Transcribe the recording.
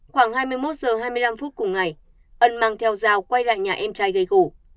khoảng hai mươi một h hai mươi năm phút cùng ngày ân mang theo dao quay lại nhà em trai gây gỗ